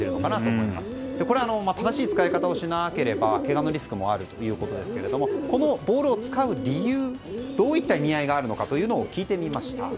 正しい使い方をしなければけがのリスクもあるということですけれどもこのボールを使う理由どういった意味合いがあるのか聞いてみました。